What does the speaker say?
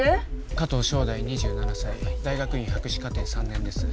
加藤祥大２７歳大学院博士課程３年です